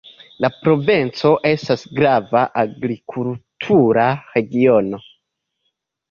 La provinco estas grava agrikultura regiono.